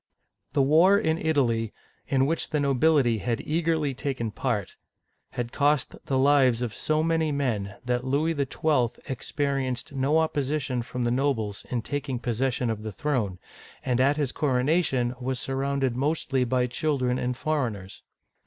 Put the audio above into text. The War in Italy, in which the nobility had eagerly taken part, had cost the lives of so many men, that Louis XII. experienced no opposition from the nobles in y Google LOUIS XII. (1498 1515) 219 taking possession of the throne, and at his coronation was surrounded mostly by children and foreigners.